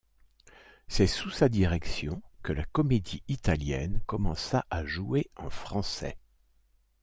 C'est sous sa direction que la Comédie-Italienne commença à jouer en français.